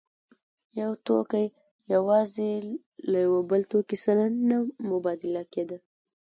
یو توکی یوازې له یو بل توکي سره نه مبادله کېده